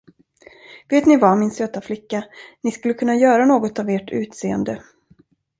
Vet ni vad, min söta flicka, ni skulle kunna göra något av ert utseende.